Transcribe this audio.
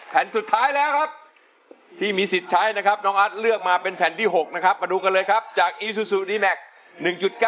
แผ่นสุดท้ายแล้วครับที่มีสิทธิ์ใช้นะครับน้องอาร์ตเลือกมาเป็นแผ่นที่๖นะครับมาดูกันเลยครับจากอีซูซูดีแม็กซ์๑๙